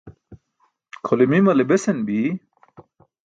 Kʰole mimale besan bi.